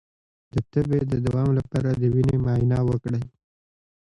د تبې د دوام لپاره د وینې معاینه وکړئ